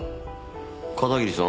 片桐さん